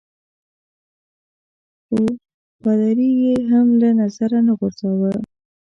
خو پادري يي هم له نظره نه غورځاوه.